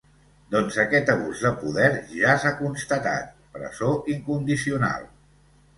Doncs aquest abús de poder ja s’ha constatat: presó incondicional.